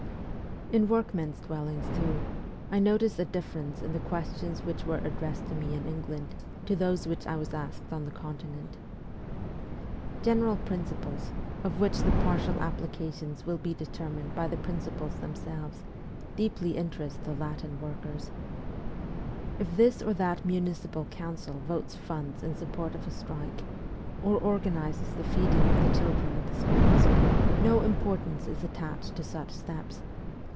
In workmen's dwellings too, I noticed a difference in the questions which were addressed to me in England to those which I was asked on the Continent. General principles, of which the partial applications will be determined by the principles themselves, deeply interest the Latin workers. If this or that municipal council votes funds in support of a strike, or organizes the feeding of the children at the schools, no importance is attached to such steps.